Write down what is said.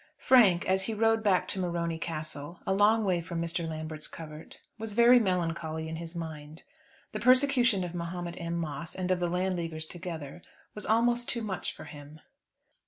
Frank, as he rode back to Morony Castle, a long way from Mr. Lambert's covert, was very melancholy in his mind. The persecution of Mahomet M. Moss and of the Landleaguers together was almost too much for him.